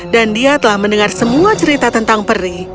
dia telah mendengar semua cerita tentang peri